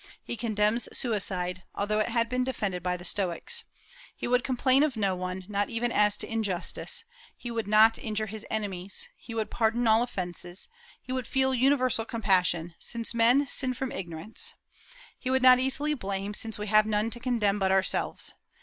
He condemns suicide, although it had been defended by the Stoics. He would complain of no one, not even as to injustice; he would not injure his enemies; he would pardon all offences; he would feel universal compassion, since men sin from ignorance; he would not easily blame, since we have none to condemn but ourselves.